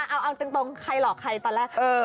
เอาตรงใครหลอกใครตอนแรก